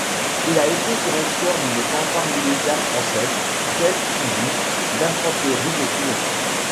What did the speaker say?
Il a été directeur d'une fanfare militaire française, celle du d'infanterie de Toulon.